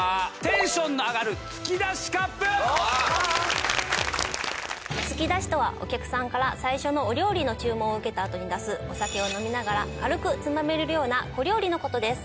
突き出しとはお客さんから最初のお料理の注文を受けたあとに出すお酒を飲みながら軽くつまめるような小料理の事です。